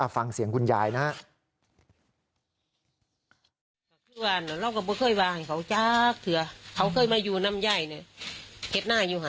ฟังเสียงคุณยายนะฮะ